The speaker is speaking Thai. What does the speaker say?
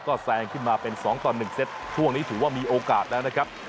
ก็แซงขึ้นมาเป็น๒ต่อ๑เซตช่วงนี้ถือว่ามีโอกาสแล้วนะครับ